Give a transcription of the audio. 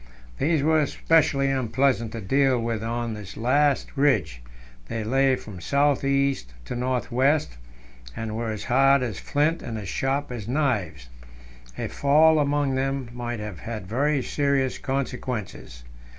These were specially unpleasant to deal with on this last ridge; they lay from south east to north west, and were as hard as flints and as sharp as knives. A fall among them might have had very serious consequences.